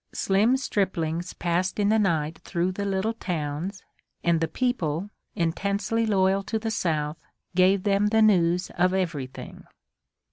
Slim striplings passed in the night through the little towns, and the people, intensely loyal to the South, gave them the news of everything.